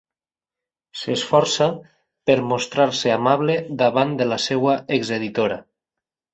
S'esforça per mostrar-se amable davant de la seva exeditora.